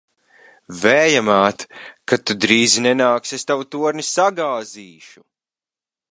Vēja māt! Kad tu drīzi nenāksi, es tavu torni sagāzīšu!